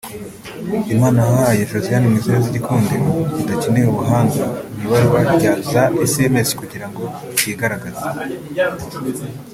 Imana yahaye Josiane Mwiseneza igikundiro kidakeneye ubuhanga mu ibarura rya za sms kugirango cyigaragaze